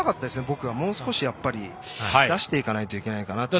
僕、もう少し出していかないといけないかなと。